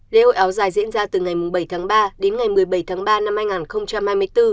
lễ hội áo dài diễn ra từ ngày bảy tháng ba đến ngày một mươi bảy tháng ba năm hai nghìn hai mươi bốn